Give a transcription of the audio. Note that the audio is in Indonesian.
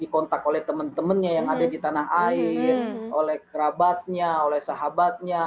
dikontak oleh teman temannya yang ada di tanah air oleh kerabatnya oleh sahabatnya